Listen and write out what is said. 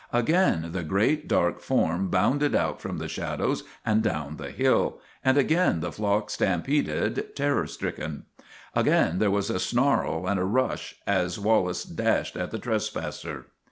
Again the great, dark form bounded out from the shadows and down the hill, and again the flock stampeded, terror stricken. Again there was a snarl and a rush as Wallace dashed at the trespasser.